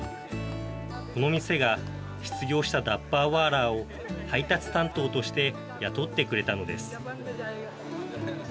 この店が失業したダッバーワーラーを配達担当として雇ってくれたのです。